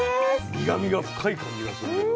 苦みが深い感じがするけど。